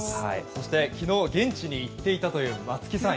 そして昨日現地に行っていたという松木さん